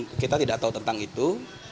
karena kita tidak tahu tentang itu